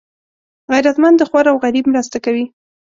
غیرتمند د خوار او غریب مرسته کوي